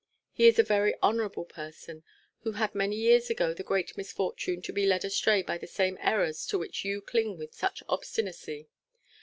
He is a very honourable person, who had many years ago the great misfortune to be led astray by the same errors to which you cling with such obstinacy.